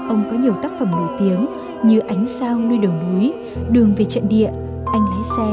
ông có nhiều tác phẩm nổi tiếng như ánh sao nuôi đường núi đường về trận địa anh lái xe và cô chống lầy